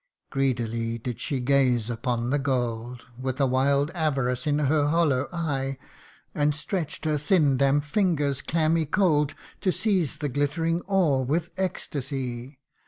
' Greedily did she gaze upon the gold, With a wild avarice in her hollow eye ; And stretch 'd her thin damp fingers, clammy cold, To seize the glittering ore with ecstasy.